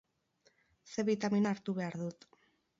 C bitamina hartu behar dut.